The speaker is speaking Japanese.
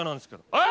えっ？